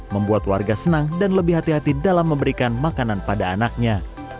membuat warga senang dan lebih hati hati dalam memberikan makanan pada anaknya